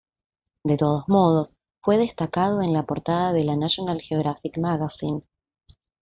De todos modos, fue destacado en la portada de la "National Geographic Magazine".